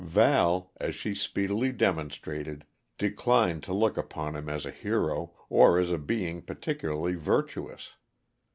Val, as she speedily demonstrated, declined to look upon him as a hero, or as being particularly virtuous.